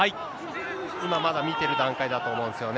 今まだ見てる段階だと思うんですよね。